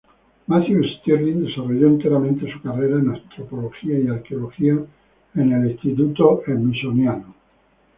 Matthew Stirling desarrolló enteramente su carrera en antropología y arqueología en el Instituto Smithsoniano.